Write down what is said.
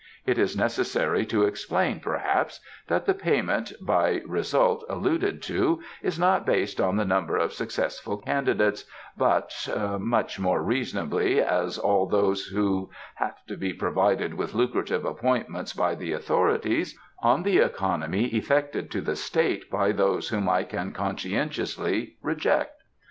It is necessary to explain, perhaps, that the payment by result alluded to is not based on the number of successful candidates, but much more reasonably as all those have to be provided with lucrative appointments by the authorities on the economy effected to the State by those whom I can conscientiously reject.